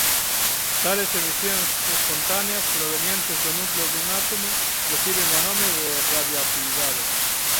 Tales emisións espontáneas provenientes do núcleo dun átomo reciben o nome de radioactividade.